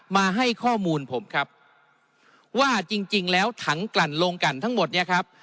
มาให้ข้อมูลผมครับว่าจริงจริงแล้วถังกลั่นลงกันทั้งหมดเนี่ยครับ